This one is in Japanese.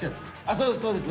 そうですそうです。